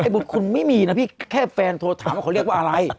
บุตรคุณไม่มีนะพี่แค่แฟนโทรถามว่าเขาเรียกว่าอะไร